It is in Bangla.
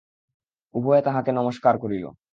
উভয়ে তাঁহাকে নমস্কার করিল।